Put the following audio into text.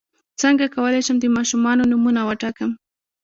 څنګه کولی شم د ماشومانو نومونه وټاکم